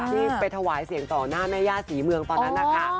ที่ไปถวายเสียงต่อหน้าแม่ย่าศรีเมืองตอนนั้นนะคะ